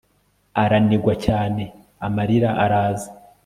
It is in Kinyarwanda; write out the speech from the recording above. Aranigwa cyane amarira araza